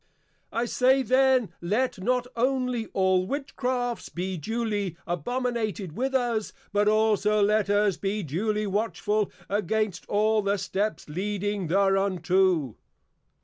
I say then, let not only all Witchcrafts be duly abominated with us, but also let us be duly watchful against all the Steps leading thereunto.